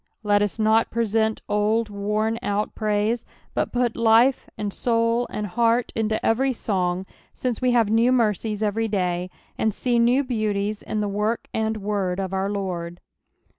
Let us not present old worn out prsise, but put life, and soul, and heart, into every song, since we have new mercies every day, and see new beauties in the work and word of our Lord.